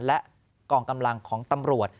และกองกำลังของตำรวจ